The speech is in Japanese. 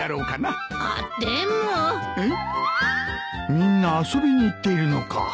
みんな遊びに行っているのか